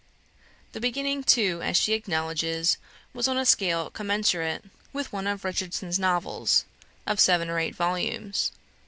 The beginning, too, as she acknowledges, was on a scale commensurate with one of Richardson's novels, of seven or eight volumes.